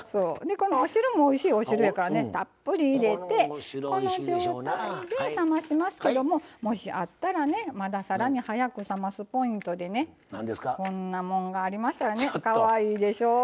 このお汁もおいしいお汁やからねたっぷり入れてこの状態で冷ましますけどももしあったらねまださらに早く冷ますポイントでねこんなもんがありましたらかわいいでしょう？